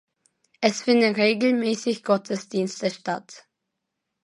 Es finden regelmäßig Gottesdienste statt.